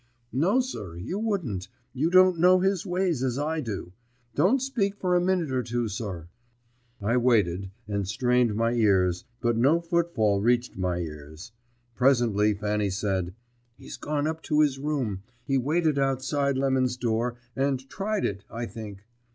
"No, sir, you wouldn't. You don't know his ways as I do. Don't speak for a minute or two, sir." I waited, and strained my ears, but no footfall reached my ears. Presently Fanny said: "He's gone up to his room. He waited outside Lemon's door, and tried it, I think.